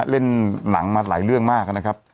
เล่นหนังมาหลายเรื่องมากนะครับ